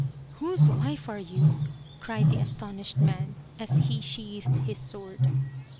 " Whose wife are you ?" cried the astonished man, as he sheathed his sword.